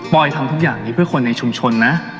ทำทุกอย่างนี้เพื่อคนในชุมชนนะ